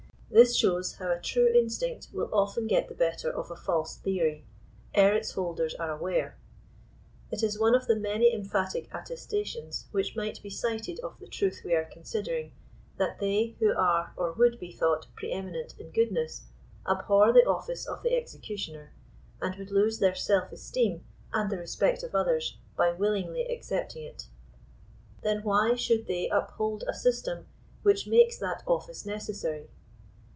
This shows how a true instinct will often get the better of a false theory, ere its holders are aware. It is one of many emphatic attestations which might be cited of the truth we are considering, that they who are or would be thought pre eminent in goodness, abhor the office of the exe cutioner, and would lose their self esteem and the respect of others by willingly accepting it. Then why should they up hold a system which makes that office necessary